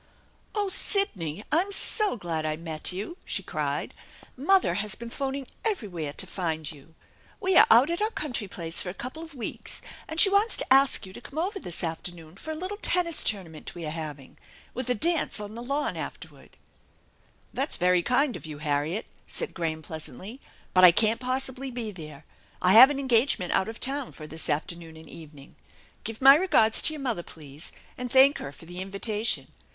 "Oh, Sidney ! I'm so glad I met you 1" she cried. "Mother has been phoning everywhere to find you. We are out at our country place for a couple of weeks, and she wants to ask you to come over this afternoon for a little tennis tournament we are having, with a dance on the lawn afterward 1 ."" That's very kind of you, Harriet/' said Graham pleas antly, " but I can't possibly be there. I have an engagement out of town for this afternoon and evening. Give my regards to your mother, please, and thank her for the invitation.